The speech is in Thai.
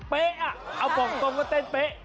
เป๊ะอะเอาฟังตรงก็เต้นเป๊ะ